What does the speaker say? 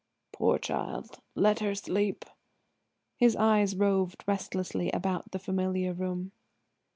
"Poor child; let her sleep." His eyes roved restlessly about the familiar room.